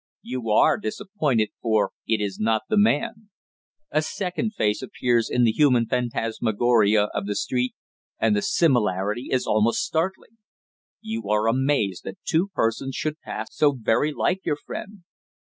You are disappointed, for it is not the man. A second face appears in the human phantasmagoria of the street, and the similarity is almost startling. You are amazed that two persons should pass so very like your friend.